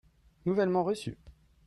nouvellement reçu.